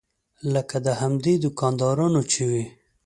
لکه د همدې دوکاندارانو چې وي.